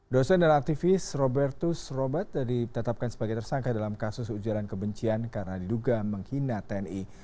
dosen dan aktivis robertus robert ditetapkan sebagai tersangka dalam kasus ujaran kebencian karena diduga menghina tni